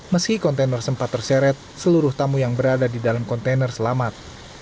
meski kontainer sempat terseret seluruh tamu yang berada di dalam kontainer selamat